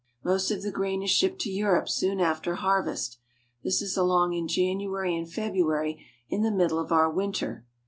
Most of the grain is shipped to Europe soon after har vest. This is along in January and February, in the mid dle of our winter.